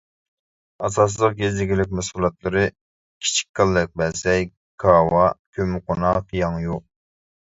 ئاساسلىق يېزا ئىگىلىك مەھسۇلاتلىرى كىچىك كاللەكبەسەي، كاۋا، كۆممىقوناق، ياڭيۇ.